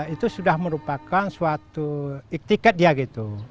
itu sudah merupakan suatu iktikat dia gitu